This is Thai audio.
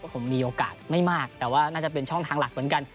ผมมีโอกาสไม่มากแต่ว่าน่าจะเป็นช่องทางหลักเหมือนกัน